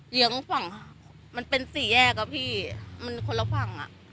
ยื้มฝั่งมันเป็น๔แยกอะพี่คนละฝั่ง